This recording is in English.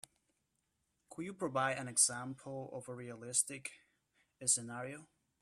Could you provide an example of a realistic scenario?